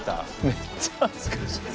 めっちゃ恥ずかしい！